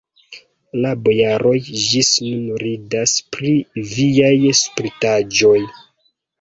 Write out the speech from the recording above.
La bojaroj ĝis nun ridas pri viaj spritaĵoj.